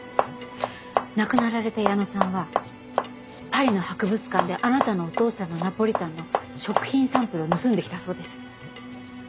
亡くなられた矢野さんはパリの博物館であなたのお父さんのナポリタンの食品サンプルを盗んできたそうです。